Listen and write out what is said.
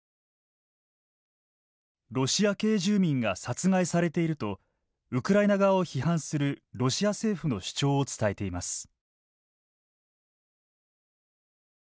ロシア系住民が殺害されているとウクライナ側を批判するロシア政府の主張を伝えています。